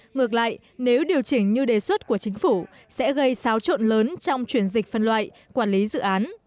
ngược lại nếu điều chỉnh như đề xuất của chính phủ sẽ gây xáo trộn lớn trong chuyển dịch phân loại quản lý dự án